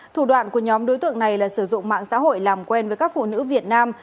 thủ đoạn của nhóm đối tượng này là sử dụng mạng xã hội làm quen với các phụ nữ việt nam